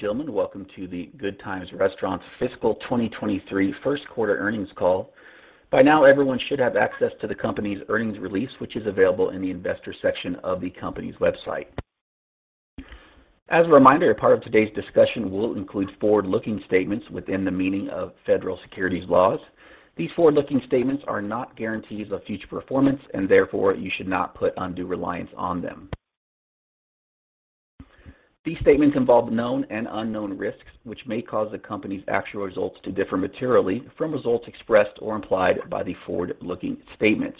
Gentlemen, welcome to the Good Times Restaurants Fiscal 2023 first quarter earnings call. By now, everyone should have access to the company's earnings release, which is available in the investor section of the company's website. As a reminder, a part of today's discussion will include forward-looking statements within the meaning of federal securities laws. These forward-looking statements are not guarantees of future performance, and therefore, you should not put undue reliance on them. These statements involve known and unknown risks which may cause the company's actual results to differ materially from results expressed or implied by the forward-looking statements.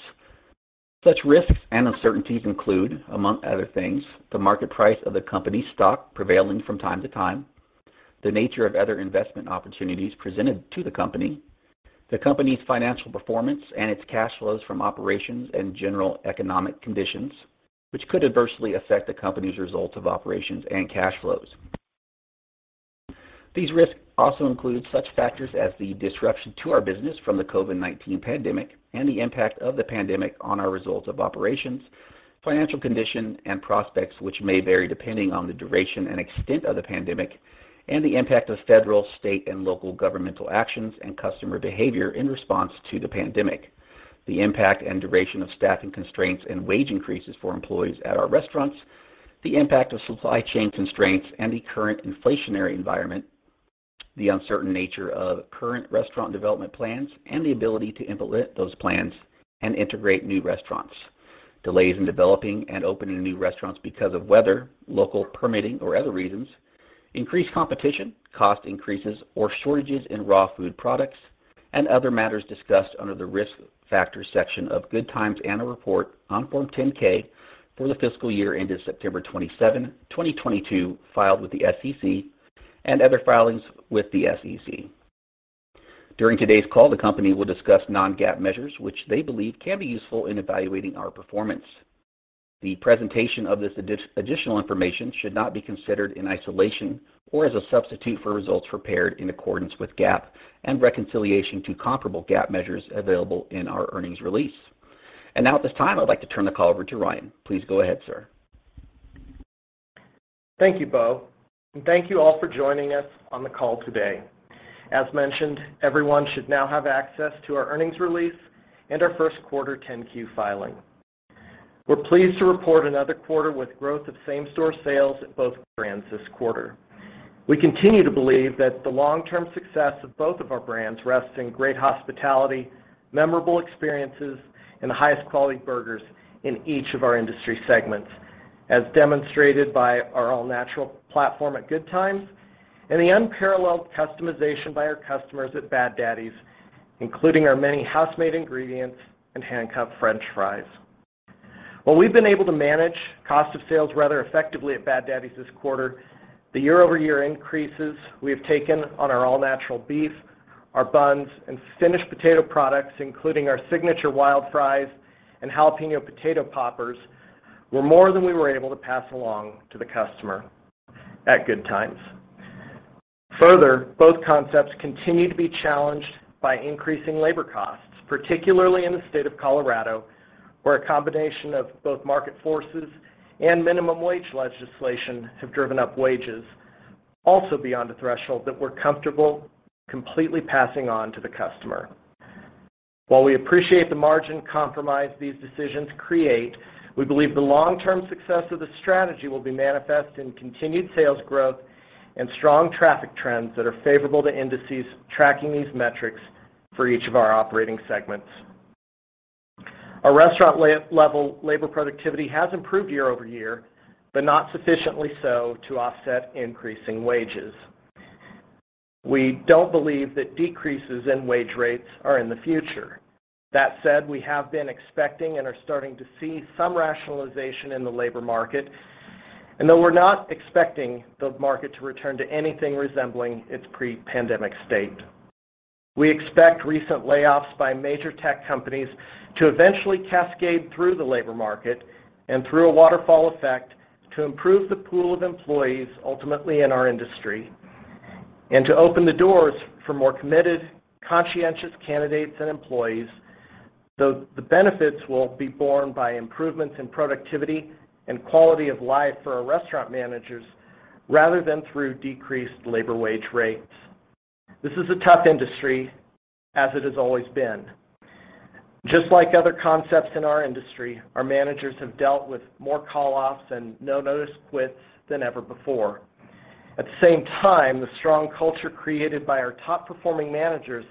Such risks and uncertainties include, among other things, the market price of the company's stock prevailing from time to time, the nature of other investment opportunities presented to the company, the company's financial performance and its cash flows from operations and general economic conditions, which could adversely affect the company's results of operations and cash flows. These risks also include such factors as the disruption to our business from the COVID-19 pandemic and the impact of the pandemic on our results of operations, financial condition, and prospects, which may vary depending on the duration and extent of the pandemic, and the impact of federal, state, and local governmental actions and customer behavior in response to the pandemic. The impact and duration of staffing constraints and wage increases for employees at our restaurants, the impact of supply chain constraints and the current inflationary environment, the uncertain nature of current restaurant development plans, and the ability to implement those plans and integrate new restaurants. Delays in developing and opening new restaurants because of weather, local permitting or other reasons, increased competition, cost increases or shortages in raw food products, and other matters discussed under the Risk Factors section of Good Times and a report on Form 10-K for the fiscal year ended September 27, 2022, filed with the SEC and other filings with the SEC. During today's call, the company will discuss non-GAAP measures which they believe can be useful in evaluating our performance. The presentation of this additional information should not be considered in isolation or as a substitute for results prepared in accordance with GAAP and reconciliation to comparable GAAP measures available in our earnings release. Now, at this time, I'd like to turn the call over to Ryan. Please go ahead, sir. Thank you, Bo. Thank you all for joining us on the call today. As mentioned, everyone should now have access to our earnings release and our first quarter 10-Q filing. We're pleased to report another quarter with growth of same-store sales at both brands this quarter. We continue to believe that the long-term success of both of our brands rests in great hospitality, memorable experiences, and the highest quality burgers in each of our industry segments, as demonstrated by our all-natural platform at Good Times and the unparalleled customization by our customers at Bad Daddy's, including our many house-made ingredients and hand-cut french fries. While we've been able to manage cost of sales rather effectively at Bad Daddy's this quarter, the year-over-year increases we have taken on our all-natural beef, our buns, and finished potato products, including our signature Wild Fries and Jalapeño Potato Poppers, were more than we were able to pass along to the customer at Good Times. Further, both concepts continue to be challenged by increasing labor costs, particularly in the state of Colorado, where a combination of both market forces and minimum wage legislation have driven up wages also beyond a threshold that we're comfortable completely passing on to the customer. While we appreciate the margin compromise these decisions create, we believe the long-term success of the strategy will be manifest in continued sales growth and strong traffic trends that are favorable to indices tracking these metrics for each of our operating segments. Our restaurant-level labor productivity has improved year-over-year, but not sufficiently so to offset increasing wages. We don't believe that decreases in wage rates are in the future. That said, we have been expecting and are starting to see some rationalization in the labor market, and though we're not expecting the market to return to anything resembling its pre-pandemic state. We expect recent layoffs by major tech companies to eventually cascade through the labor market and through a waterfall effect to improve the pool of employees, ultimately in our industry, and to open the doors for more committed, conscientious candidates and employees. The benefits will be borne by improvements in productivity and quality of life for our restaurant managers rather than through decreased labor wage rates. This is a tough industry, as it has always been. Just like other concepts in our industry, our managers have dealt with more call-offs and no-notice quits than ever before. At the same time, the strong culture created by our top-performing managers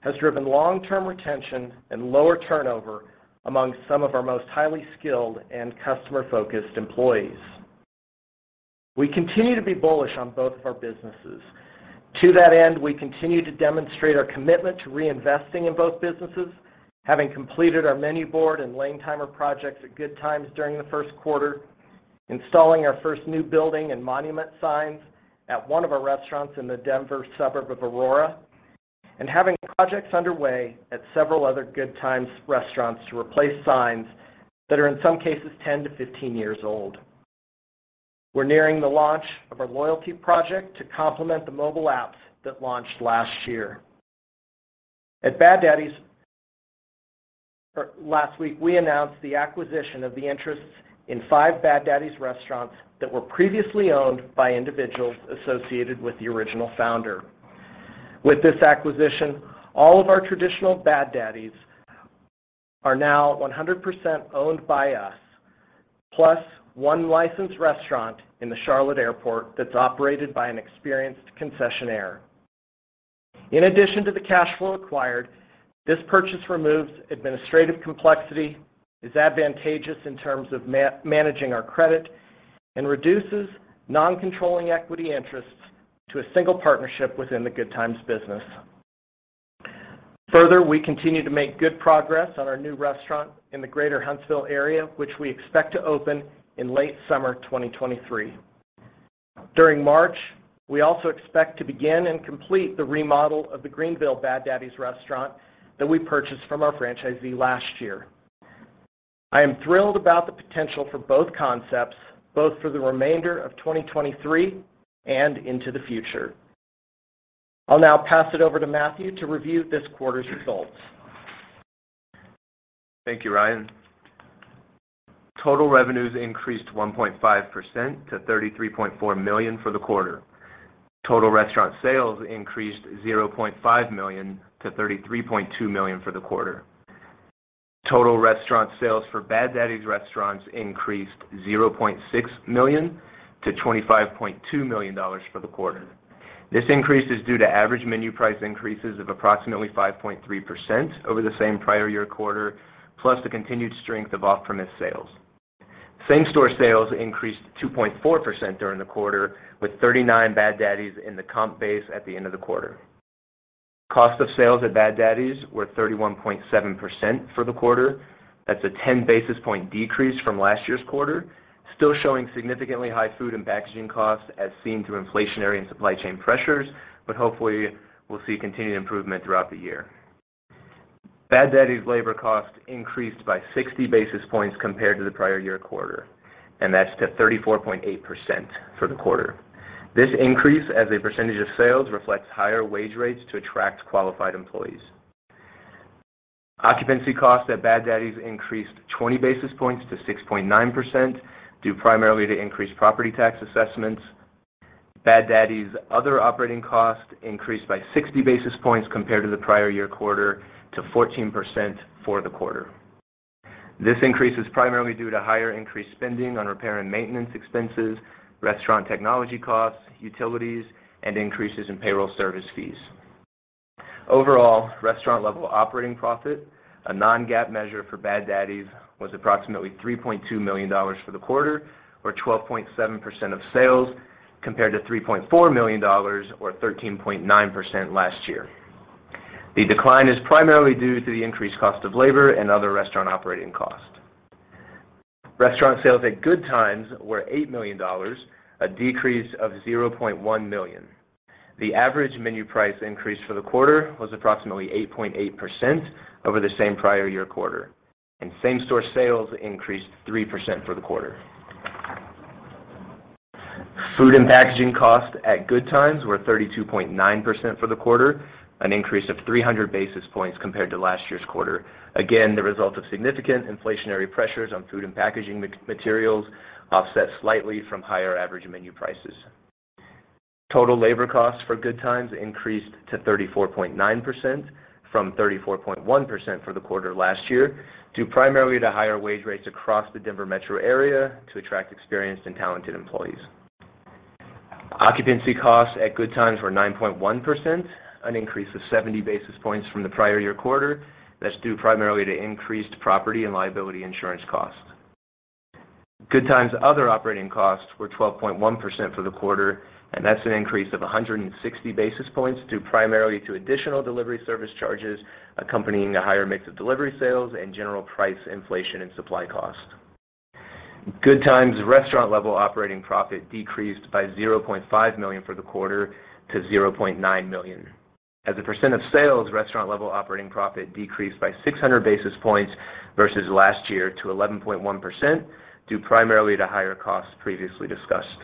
has driven long-term retention and lower turnover among some of our most highly skilled and customer-focused employees. We continue to be bullish on both of our businesses. To that end, we continue to demonstrate our commitment to reinvesting in both businesses, having completed our menu board and lane timer projects at Good Times during the first quarter, installing our first new building and monument signs at one of our restaurants in the Denver suburb of Aurora, and having projects underway at several other Good Times Restaurants to replace signs that are in some cases 10-15 years old. We're nearing the launch of our loyalty project to complement the mobile apps that launched last year. Last week, we announced the acquisition of the interests in five Bad Daddy's restaurants that were previously owned by individuals associated with the original founder. With this acquisition, all of our traditional Bad Daddy's are now 100% owned by us, plus one licensed restaurant in the Charlotte Airport that's operated by an experienced concessionaire. In addition to the cash flow acquired, this purchase removes administrative complexity, is advantageous in terms of man-managing our credit and reduces non-controlling equity interests to a single partnership within the Good Times business. Further, we continue to make good progress on our new restaurant in the Greater Huntsville area, which we expect to open in late summer 2023. During March, we also expect to begin and complete the remodel of the Greenville Bad Daddy's restaurant that we purchased from our franchisee last year. I am thrilled about the potential for both concepts, both for the remainder of 2023 and into the future. I'll now pass it over to Matthew to review this quarter's results. Thank you, Ryan. Total revenues increased 1.5% to $33.4 million for the quarter. Total restaurant sales increased $0.5 million-$33.2 million for the quarter. Total restaurant sales for Bad Daddy's restaurants increased $0.6 million-$25.2 million for the quarter. This increase is due to average menu price increases of approximately 5.3% over the same prior year quarter, plus the continued strength of off-premise sales. Same-store sales increased 2.4% during the quarter, with 39 Bad Daddy's in the comp base at the end of the quarter. Cost of sales at Bad Daddy's were 31.7% for the quarter. That's a 10 basis point decrease from last year's quarter, still showing significantly high food and packaging costs as seen through inflationary and supply chain pressures, but hopefully we'll see continued improvement throughout the year. Bad Daddy's labor costs increased by 60 basis points compared to the prior year quarter, and that's to 34.8% for the quarter. This increase as a percentage of sales reflects higher wage rates to attract qualified employees. Occupancy costs at Bad Daddy's increased 20 basis points to 6.9%, due primarily to increased property tax assessments. Bad Daddy's other operating costs increased by 60 basis points compared to the prior year quarter to 14% for the quarter. This increase is primarily due to higher increased spending on repair and maintenance expenses, restaurant technology costs, utilities, and increases in payroll service fees. Overall, restaurant-level operating profit, a non-GAAP measure for Bad Daddy's, was approximately $3.2 million for the quarter or 12.7% of sales, compared to $3.4 million or 13.9% last year. The decline is primarily due to the increased cost of labor and other restaurant operating costs. Restaurant sales at Good Times were $8 million, a decrease of $0.1 million. The average menu price increase for the quarter was approximately 8.8% over the same prior year quarter, and same-store sales increased 3% for the quarter. Food and packaging costs at Good Times were 32.9% for the quarter, an increase of 300 basis points compared to last year's quarter. Again, the result of significant inflationary pressures on food and packaging materials offset slightly from higher average menu prices. Total labor costs for Good Times increased to 34.9% from 34.1% for the quarter last year, due primarily to higher wage rates across the Denver metro area to attract experienced and talented employees. Occupancy costs at Good Times were 9.1%, an increase of 70 basis points from the prior year quarter. That's due primarily to increased property and liability insurance costs. Good Times other operating costs were 12.1% for the quarter, that's an increase of 160 basis points, due primarily to additional delivery service charges accompanying a higher mix of delivery sales and general price inflation and supply costs. Good Times restaurant-level operating profit decreased by $0.5 million for the quarter to $0.9 million. As a percent of sales, restaurant-level operating profit decreased by 600 basis points versus last year to 11.1%, due primarily to higher costs previously discussed.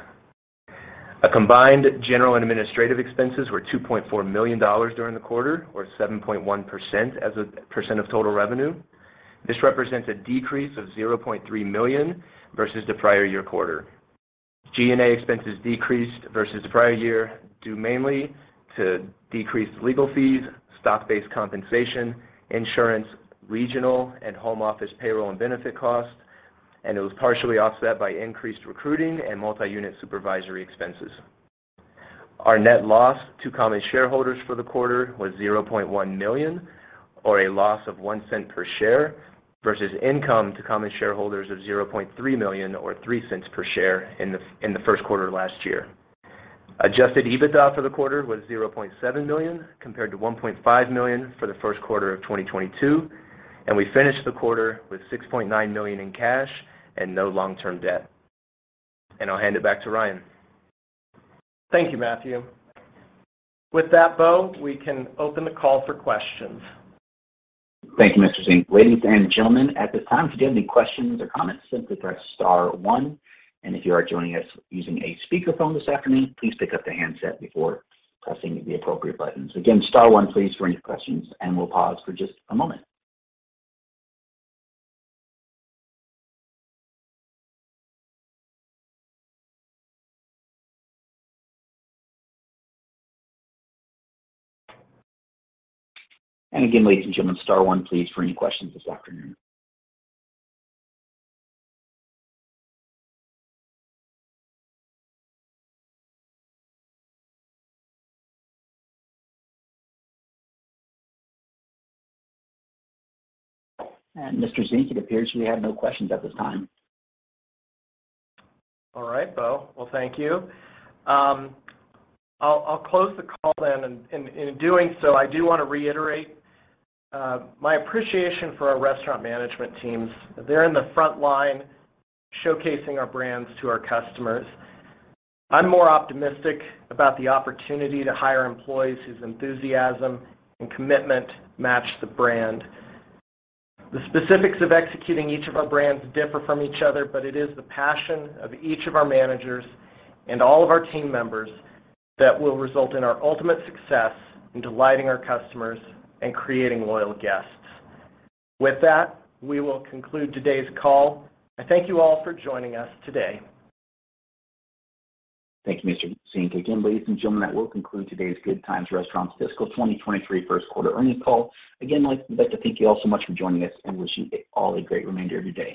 A combined general and administrative expenses were $2.4 million during the quarter or 7.1% as a percent of total revenue. This represents a decrease of $0.3 million versus the prior year quarter. G&A expenses decreased versus the prior year, due mainly to decreased legal fees, stock-based compensation, insurance, regional and home office payroll and benefit costs, and it was partially offset by increased recruiting and multi-unit supervisory expenses. Our net loss to common shareholders for the quarter was $0.1 million or a loss of $0.01 per share, versus income to common shareholders of $0.3 million or $0.03 per share in the first quarter last year. Adjusted EBITDA for the quarter was $0.7 million, compared to $1.5 million for the first quarter of 2022. We finished the quarter with $6.9 million in cash and no long-term debt. I'll hand it back to Ryan. Thank you, Matthew. With that, Bo, we can open the call for questions. Thank you, Mr. Zink. Ladies and gentlemen, at this time, if you do have any questions or comments, simply press star one. If you are joining us using a speakerphone this afternoon, please pick up the handset before pressing the appropriate buttons. Again, star one, please, for any questions, and we'll pause for just a moment. Again, ladies and gentlemen, star one, please, for any questions this afternoon. Mr. Zink, it appears we have no questions at this time. All right. Bo. Well, thank you. I'll close the call then. In doing so, I do want to reiterate my appreciation for our restaurant management teams. They're in the front line showcasing our brands to our customers. I'm more optimistic about the opportunity to hire employees whose enthusiasm and commitment match the brand. The specifics of executing each of our brands differ from each other. It is the passion of each of our managers and all of our team members that will result in our ultimate success in delighting our customers and creating loyal guests. With that, we will conclude today's call. I thank you all for joining us today. Thank you, Mr. Zink. Again, ladies and gentlemen, that will conclude today's Good Times Restaurants fiscal 2023 first quarter earnings call. Again, like, I'd like to thank you all so much for joining us and wish you all a great remainder of your day.